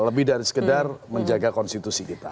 lebih dari sekedar menjaga konstitusi kita